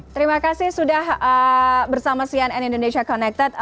terima kasih sudah bersama cnn indonesia connected